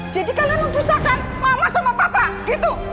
jadi kalian memperusakkan mama sama papa gitu